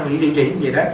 rỉ rỉ rỉ như vậy đó